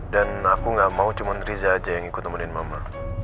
dan aku nggak mau cuman riza aja yang ikut temenin mama